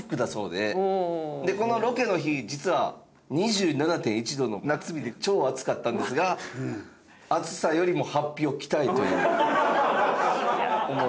でこのロケの日実は２７．１度の夏日で超暑かったんですが暑さよりも法被を着たいという思いを。